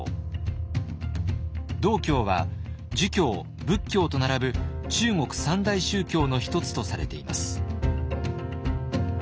道教は儒教仏教と並ぶ中国三大宗教の一つとされています。